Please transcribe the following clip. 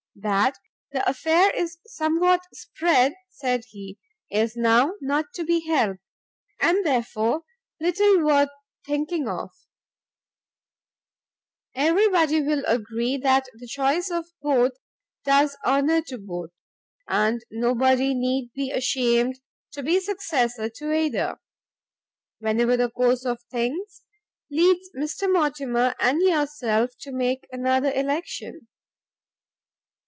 "That the affair is somewhat spread," said he, "is now not to be helped, and therefore little worth thinking of; every body will agree that the choice of both does honour to both, and nobody need be ashamed to be successor to either, whenever the course of things leads Mr Mortimer and yourself to make another election.